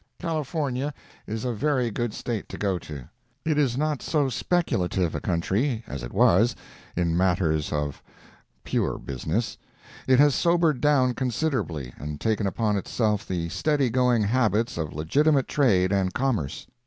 California is a very good State to go to. It is not so speculative a country as it was, in matters of pure business. It has sobered down considerably and taken upon itself the steady going habits of legitimate trade and commerce.